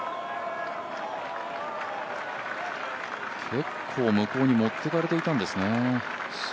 結構、向こうに持っていかれていたんですね。